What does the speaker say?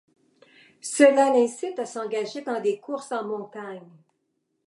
Cela l'incite à s'engager dans des courses en montagne.